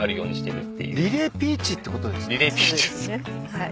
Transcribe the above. はい。